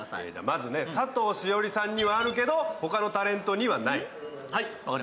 まずね、佐藤栞里さんにはあるけど、ほかのタレントにはない。